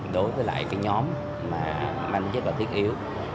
đối với lại cái nhóm mà manh chất là thiết yếu